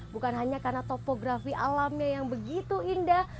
bukan hanya karena topografi alamnya yang begitu indah